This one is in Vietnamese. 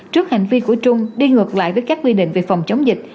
trước hành vi của trung đi ngược lại với các quy định về phòng chống dịch